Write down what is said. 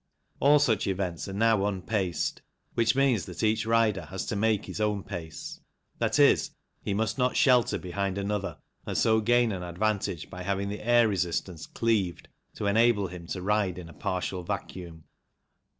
All such events are now unpaced, which means that each rider has to make his own pace, i.e. he must not shelter behind another and so gain an advantage by having the air resistance cleaved to enable him to ride in a partial vacuum.